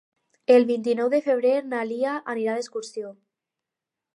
El vint-i-nou de febrer na Lia anirà d'excursió.